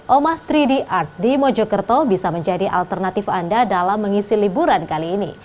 omah tiga d art di mojokerto bisa menjadi alternatif anda dalam mengisi liburan kali ini